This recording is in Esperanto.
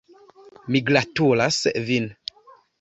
Mi gratulas vin!